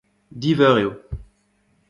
Div eur eo.